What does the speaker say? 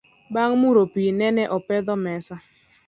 Bang muro pii nene opedho mesa